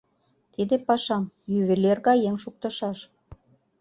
Тиде пашам ювелир гай еҥ шуктышаш.